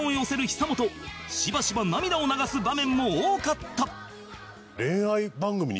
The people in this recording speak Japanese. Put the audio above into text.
しばしば涙を流す場面も多かった